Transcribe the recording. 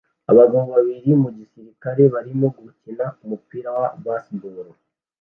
Abagabo babiri mu gisirikare barimo gukina umupira wa baseball